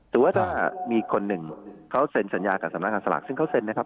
แต่ว่าถ้ามีคนหนึ่งเขาเซ็นสัญญากับสำนักงานสลากซึ่งเขาเซ็นนะครับ